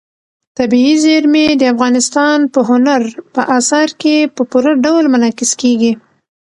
طبیعي زیرمې د افغانستان په هنر په اثار کې په پوره ډول منعکس کېږي.